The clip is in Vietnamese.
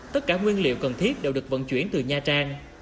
tất cả nguyên liệu cần thiết đều được vận chuyển từ nha trang